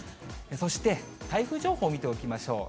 そして台風情報を見ておきましょう。